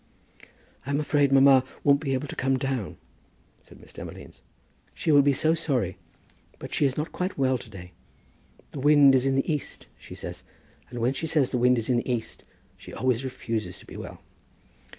"I'm afraid mamma won't be able to come down," said Miss Demolines. "She will be so sorry; but she is not quite well to day. The wind is in the east, she says, and when she says the wind is in the east she always refuses to be well."